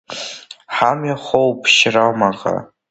Ҳамҩа хоуп Шьромаҟа.